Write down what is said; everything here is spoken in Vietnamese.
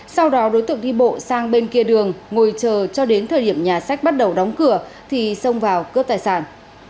sau đó đối tượng đi bộ sang bên kia đường ngồi chờ cho đến thời điểm nhà sách bắt đầu đóng cửa thì xông vào cướp tài sản